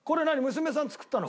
娘さん作ったの？